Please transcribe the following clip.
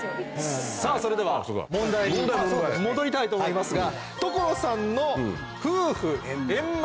さぁそれでは問題に戻りたいと思いますが。